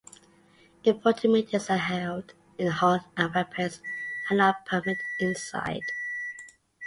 Important meetings are held in the hall and weapons are not permitted inside.